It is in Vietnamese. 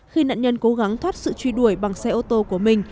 khi nạn nhân cố gắng thoát sự truy đuổi bằng xe ô tô của mình